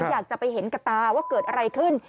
อยากจะไปเห็นกับตาว่าเกิดอะไรขึ้น